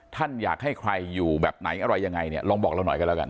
ท่านอยากให้ใครอยู่แบบไหนอะไรยังไงเนี่ยลองบอกเราหน่อยกันแล้วกัน